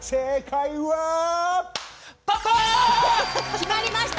決まりました